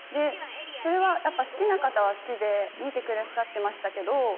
それはやっぱ好きな方は好きで見てくださってましたけど。